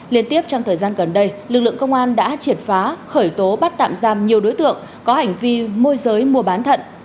liên tiếp trong thời gian gần đây lực lượng công an đã triệt phá khởi tố bắt tạm giam nhiều đối tượng có hành vi môi giới mua bán thận